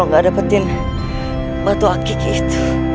jangan jangan jangan